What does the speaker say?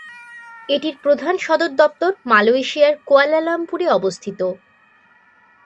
এটির প্রধান সদরদপ্তর মালয়েশিয়ার কুয়ালালামপুরে অবস্থিত।